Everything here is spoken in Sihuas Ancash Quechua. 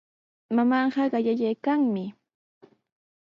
Mamaaqa qaprayaykanmi.